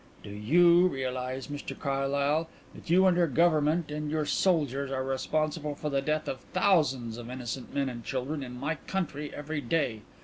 "Do you realise, Mr Carlyle, that you and your Government and your soldiers are responsible for the death of thousands of innocent men and women in my country every day?